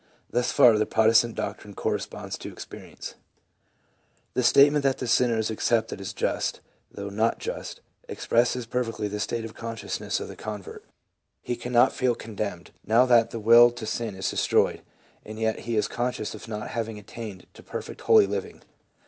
Thus far the Protestant doctrine corresponds to experience. The statement that the sinner is "accepted as just, though not just," expresses perfectly the state of consciousness of the convert. He cannot feel condemned now that the will to sin is destroyed, and yet he is conscious of not having attained to perfect holy living.